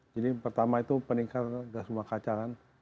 jadi pertama itu peningkatan gas rumah kacangan